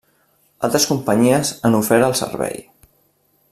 Altres companyies han ofert el servei.